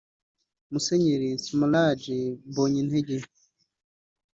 Musenyeri Smaragde Mbonyintege